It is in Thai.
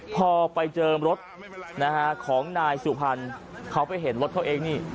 พอไปเจอรถนะฮะของนายสุพรรณเขาไปเห็นรถเขาเองนี่